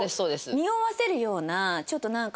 におわせるようなちょっとなんかこう。